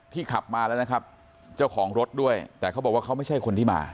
ขับมาแล้วนะครับเจ้าของรถด้วยแต่เขาบอกว่าเขาไม่ใช่คนที่มา